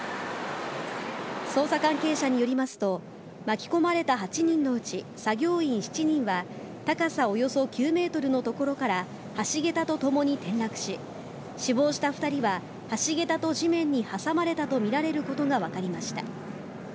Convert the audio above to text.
捜査関係者によりますと巻き込まれた８人のうち作業員７人は高さおよそ９ｍの所から橋げたとともに転落し死亡した２人は橋げたと地面に挟まれたとみられることが分かりました。